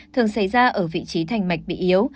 thường xảy ra ở vị trí thành mạch bị yếu